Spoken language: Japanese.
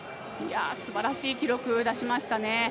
すばらしい記録を出しましたね。